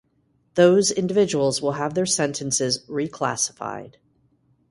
Those individuals will have their sentences reclassified.